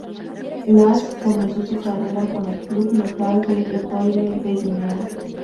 Lass comenzó su carrera con el club local de Etoile de Guinea.